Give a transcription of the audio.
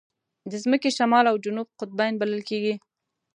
د ځمکې شمال او جنوب قطبین بلل کېږي.